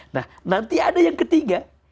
nah nanti ada yang ketiga